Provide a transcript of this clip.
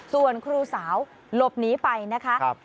ส่วนครูสาวหลบหนีไปนะคะ